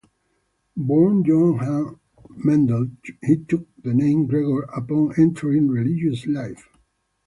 Born Johann Mendel, he took the name Gregor upon entering religious life.